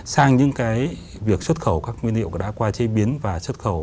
sang những cái việc xuất khẩu các nguyên liệu đã qua chế biến và xuất khẩu